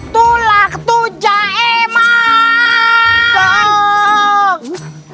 tulak tuja emang